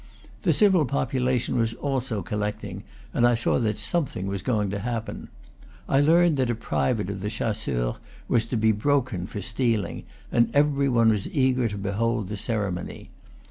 The civil population was also collecting, and I saw that something was going to happen. I learned that a private of the Chasseurs was to be "broken" for stealing, and every one was eager to behold the cere mony.